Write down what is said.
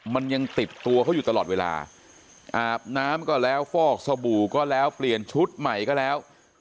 มันยังติดตัวเขาอยู่ตลอดเวลาอาบน้ำก็แล้วฟอกสบู่ก็แล้วเปลี่ยนชุดใหม่ก็แล้ว